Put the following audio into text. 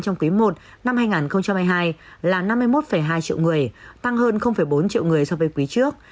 trong quý i năm hai nghìn hai mươi hai là năm mươi một hai triệu người tăng hơn bốn triệu người so với quý trước